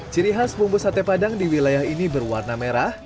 ciri khas bumbu sate padang di wilayah ini berwarna merah